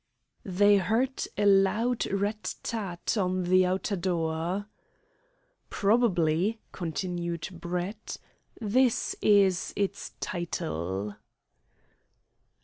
They heard a loud rat tat on the outer door. "Probably," continued Brett, "this is its title."